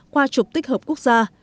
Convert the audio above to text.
qua trục tích hợp quốc gia